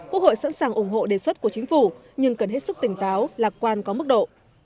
quốc hội sẵn sàng ủng hộ đề xuất của chính phủ nhưng cần hết sức tỉnh táo lạc quan có mức độ